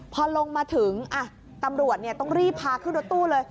พอลงมาถึงตำรวจต้องรีบพาขึ้นรถตู้เลย